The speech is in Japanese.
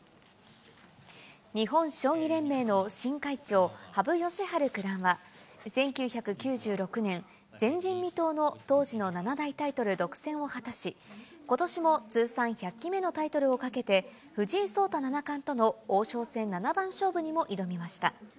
日本将棋連盟の新会長、羽生善治九段は１９９６年、前人未到の当時の七大タイトル独占を果たし、ことしも通算１００期目のタイトルをかけて、藤井聡太七冠との王将戦七番勝負にも挑みました。